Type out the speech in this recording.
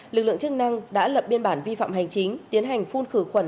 lực lượng chức năng đã lập biên bản vi phạm hành chính tiến hành phun khử khuẩn